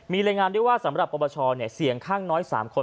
มีรายงานได้ว่าสำหรับประบาทชเนี่ยเสี่ยงข้างน้อยสามคน